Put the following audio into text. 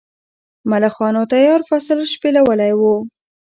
ملخانو تیار فصل شپېلولی و.